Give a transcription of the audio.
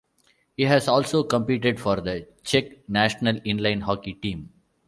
He has also competed for the Czech national inline hockey team.